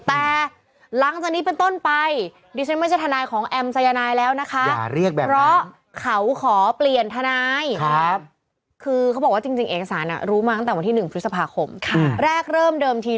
แต่หลังจากนี้เป็นต้นไป